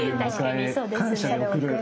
確かにそうですね。